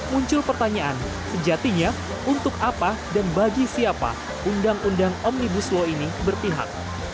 muncul pertanyaan sejatinya untuk apa dan bagi siapa undang undang omnibus law ini berpihak